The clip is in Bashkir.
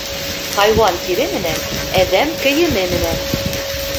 Хайуан тире менән, әҙәм кейеме менән.